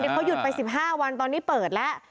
เขาหยุดไป๑๕วันตอนนี้เปิดแล้ว